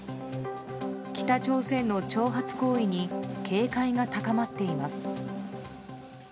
北朝鮮の挑発行為に警戒が高まっています。